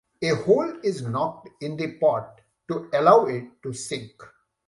A hole is knocked in the pot to allow it to sink.